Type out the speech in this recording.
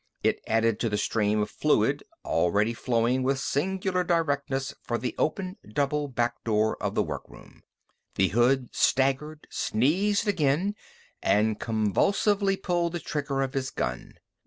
It added to the stream of fluid already flowing with singular directness for the open, double, back door of the workroom. The hood staggered, sneezed again, and convulsively pulled the trigger of his gun.